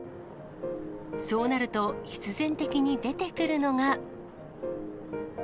そうなると、必然的に出てくるのが。